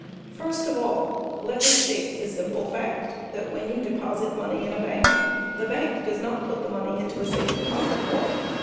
First of all let me state the simple fact that when you deposit money in a bank the bank does not put the money into a safe deposit vault.